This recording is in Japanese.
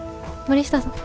森下さん？